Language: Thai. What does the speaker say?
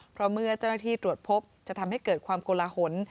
เพราะเมื่อเจ้าหน้าที่ตรวจพบจะทำให้เกิดความโกลหน